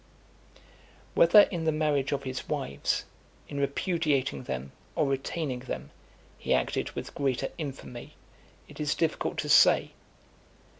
XXV. Whether in the marriage of his wives, in repudiating them, or retaining them, he acted with greater infamy, it is difficult to say.